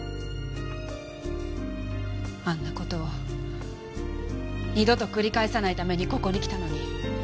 あんな事を二度と繰り返さないためにここに来たのに。